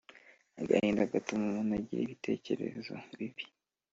Agahinda gatuma umuntu agira ibitekerezo bibi